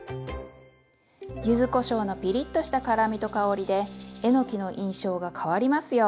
ゆずこしょうのピリッとした辛みと香りでえのきの印象が変わりますよ。